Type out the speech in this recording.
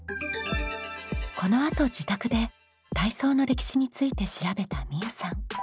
このあと自宅で体操の歴史について調べたみうさん。